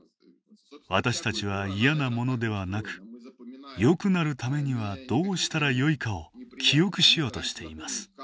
私たちは嫌なものではなくよくなるためにはどうしたらよいかを記憶しようとしています。